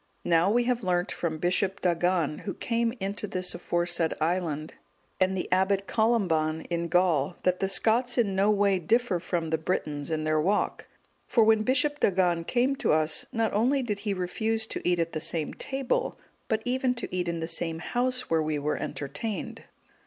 Now we have learnt from Bishop Dagan,(185) who came into this aforesaid island, and the Abbot Columban,(186) in Gaul, that the Scots in no way differ from the Britons in their walk; for when Bishop Dagan came to us, not only did he refuse to eat at the same table, but even to eat in the same house where we were entertained."